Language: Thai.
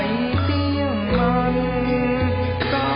ทรงเป็นน้ำของเรา